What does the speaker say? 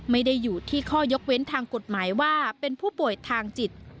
ไม่ได้อยู่ที่ข้อยกเว้นทางกฎหมายว่าเป็นผู้ป่วยทางจิต